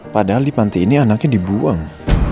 padahal di panti ini anaknya dibuang